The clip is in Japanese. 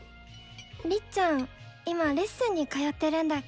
りっちゃん今レッスンに通ってるんだっけ？